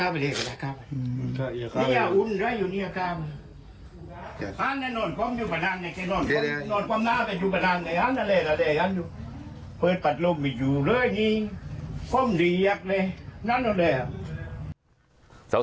เปิดปัดลมมีอยู่นั่นแหละ